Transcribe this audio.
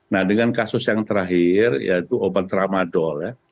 nah dengan kasus yang terakhir yaitu obat tramadol ya